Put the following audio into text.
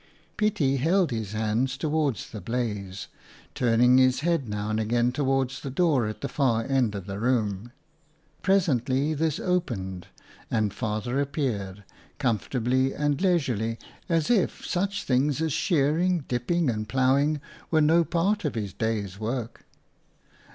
Pietie held his hands towards the blaze, turning his head now and again towards the door at the far end of the room. Presently this opened and father appeared, comfortably and leisurely, as if such things as shearing, dipping, and ploughing were no part of his day's work.